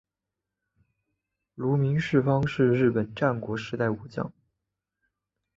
芦名氏方是日本战国时代武将。